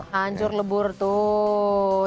hancur lebur tuh